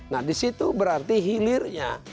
nah disitu berarti hilirnya